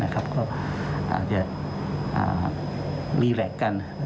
ก็อาจจะรีลักษณ์กัน